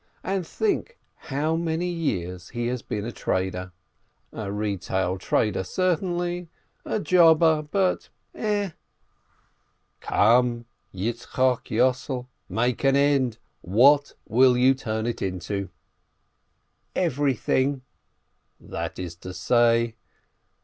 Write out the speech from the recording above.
And think how many years he has been a trader ! A retail trader, certainly, a jobber, but still— "Come, Reb Yitzchok Yossel, make an end! What will you turn it into?" "Everything." "That is to say?"